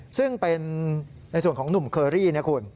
ซึ่งเป็นในส่วนของหนุ่มเคอรี่นะคุณ